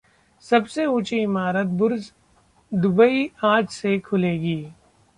सबसे उंची इमारत बुर्ज दुबई आज से खुलेगी